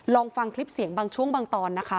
ลองฟังคลิปเสียงบางช่วงบางตอนนะคะ